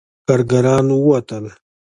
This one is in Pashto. کارګران ووتل.